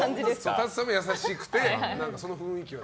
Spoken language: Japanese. ＴＡＴＳＵさんも優しくてその雰囲気は。